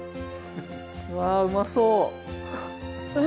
わうまそう！